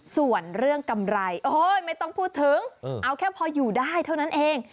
ส่วนเรื่องกำไรโอ้ยไม่ต้องพูดถึงเอาแค่พออยู่ได้เท่านั้นเอง